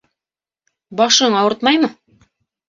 Башың ауыртмаймы?